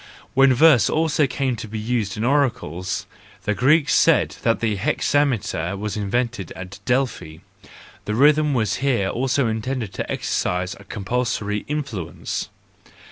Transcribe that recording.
When verse also came to be used in oracles—the Greeks said that the hexameter was invented at Delphi,—the rhythm was here also intended to exercise a compulsory influence.